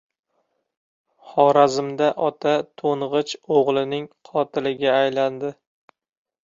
Xorazmda ota to‘ng‘ich o‘g‘lining qotiliga aylandi